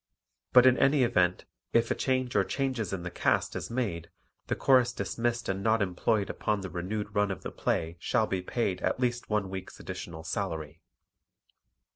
But in any event if a change or changes in the cast is made the Chorus dismissed and not employed upon the renewed run of the play shall be paid at least one week's additional salary.